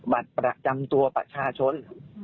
บัตรประจำตัวประชาชน